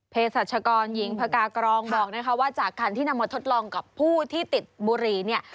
เพจศาชกรหญิงพกากรองบอกว่าจากการที่นำมาทดลองกับผู้ที่ติดบุรี